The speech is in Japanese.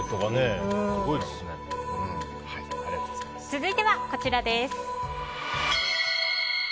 続いてはこちらです。